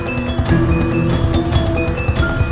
aku akan menjaga mereka